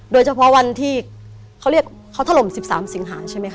โดยเฉพาะวันที่เขาเรียกเขาถล่ม๑๓สิงหาใช่ไหมค